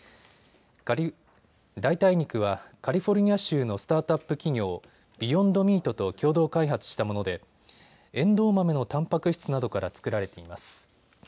代替肉はカリフォルニア州のスタートアップ企業、ビヨンド・ミートと共同開発したものでエンドウ豆のたんぱく質などから作られています。